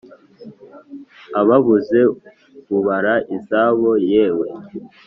Ababuze ubara izabo, Yewe,